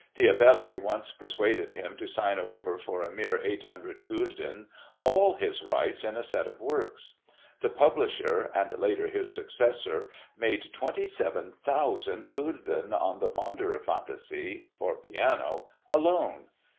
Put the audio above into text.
Diabelli once persuaded him to sign over for a mere 800 Gulden all his rights in a set of works. The publisher (and later his successor) made 27,000 Gulden on the Wanderer Fantasie (for piano) alone.